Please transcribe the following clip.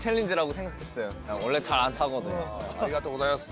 ありがとうございます。